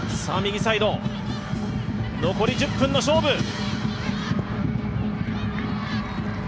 残り１０分の勝負。